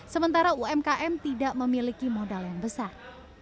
sementara umkm tidak memiliki modal yang besar